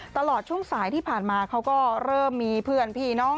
ตลอดช่วงสายที่ผ่านมาเขาก็เริ่มมีเพื่อนพี่น้อง